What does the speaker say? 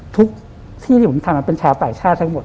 ทุกที่ที่ผมทำเป็นชาวต่างชาติทั้งหมด